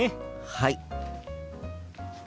はい。